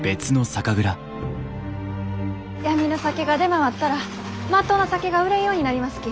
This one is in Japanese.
闇の酒が出回ったらまっとうな酒が売れんようになりますき。